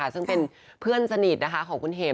ซึ่งเป็นเพื่อนสนิทของคุณเห็ม